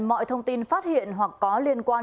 mọi thông tin phát hiện hoặc có liên quan